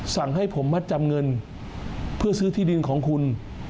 สั่งให้ผมมัดจำเงินเพื่อซื้อที่ดินของคุณ